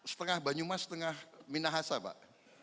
setengah banyumas setengah minahasa pak